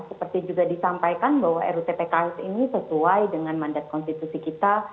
seperti juga disampaikan bahwa rutpks ini sesuai dengan mandat konstitusi kita